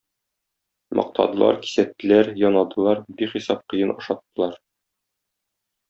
Мактадылар, кисәттеләр, янадылар, бихисап кыен ашаттылар.